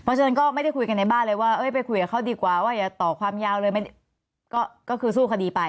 เพราะฉะนั้นก็ไม่ได้คุยกันในบ้านเลยว่าไปคุยกับเขาดีกว่าว่าอย่าต่อความยาวเลยก็คือสู้คดีไป